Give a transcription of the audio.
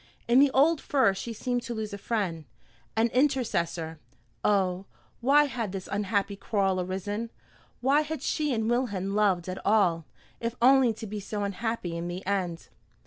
In the old fir she seemed to lose a friend, an intercessor. Oh, why had this unhappy quarrel arisen? Why had she and Wilhelm loved at all, if only to be so unhappy in the end?